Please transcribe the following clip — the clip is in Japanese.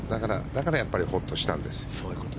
だからやっぱりホッとしたんですよ。